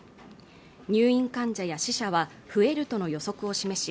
入院患者や死者は増えるとの予測を示し